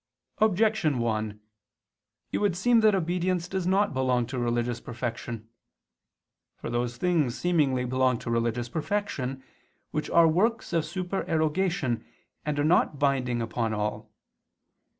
Objection 1: It would seem that obedience does not belong to religious perfection. For those things seemingly belong to religious perfection, which are works of supererogation and are not binding upon all.